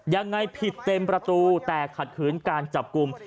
ยังไงผิดเต็มประตูแต่ขัดขืนการจับกลุ่ม